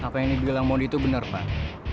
apa yang dibilang mondi itu bener van